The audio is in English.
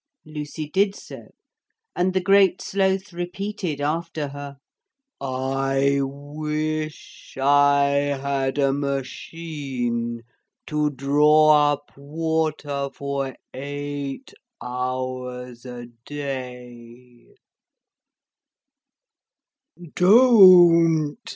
Lucy did so and the Great Sloth repeated after her: 'I wish I had a machine to draw up water for eight hours a day.'